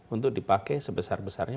untuk dipakai sebesar besarnya